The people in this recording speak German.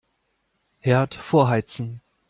Herd vorheizen.